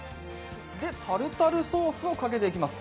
タルタルソースをかけていきます。